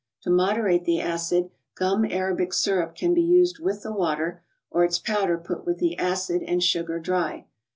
To moderate the acid, gum arabic syrup can be used with the water, or its powder put with the acid and sugar dry.